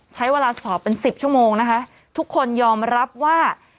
ใช้เวลาสอบเป็นสิบชั่วโมงนะคะทุกคนยอมรับว่า